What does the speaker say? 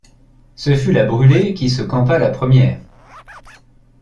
Ce fut la Brûlé qui se campa la première.